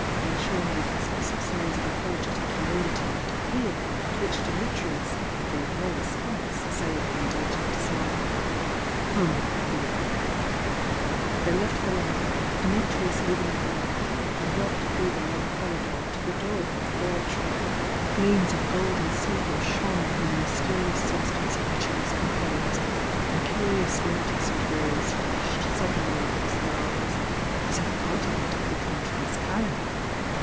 Vasho made expressive signs of apologetic humil ity and appeal, to which Dimitrius gave no response save an indulgent smile. "Come!" he repeated. TViey left the library, Di mitrius leading the way, and walked through the long corridor to the door of the laboratory. Gleams I I 802 THE YOUNG DIANA ■1? L of gold and silver shone from the mysterious sub stance of which it was composed, and curious iri^ descent rays flashed suddenly across their eyes as if part of it had become transparent.